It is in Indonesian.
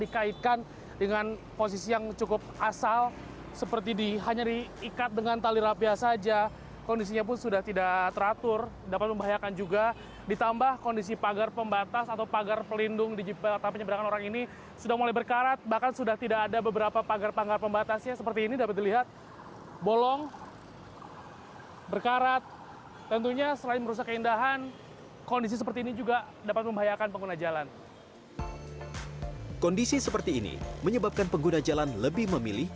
kondisi seperti ini menyebabkan pengguna jalan lebih memilih